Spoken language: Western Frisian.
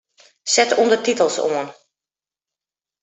Set ûndertitels oan.